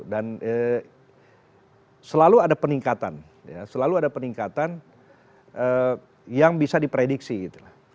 dan selalu ada peningkatan ya selalu ada peningkatan yang bisa diprediksi gitu